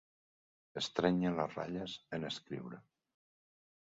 Estrènyer les ratlles en escriure.